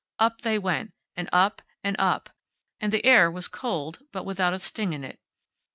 Up they went, and up, and up, and the air was cold, but without a sting in it.